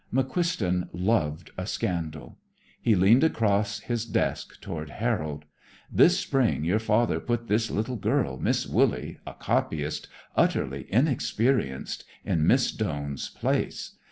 McQuiston loved a scandal. He leaned across his desk toward Harold. "This spring your father put this little girl, Miss Wooley, a copyist, utterly inexperienced, in Miss Doane's place.